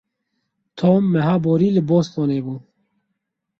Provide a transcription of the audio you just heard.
Tom meha borî li Bostonê bû.